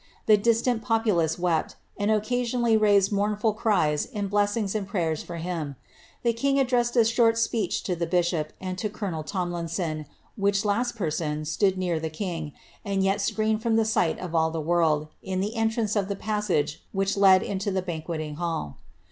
The distant populace wept, and occasionally raised mournful cries in blessings and prayers for him. Tlie king addressed a short speech to the bishop and to colonel Tomlinson, which last person stood near the king, and yet screened from the sight of all the world, m the entiance of the passage which led into the banqueting hall.'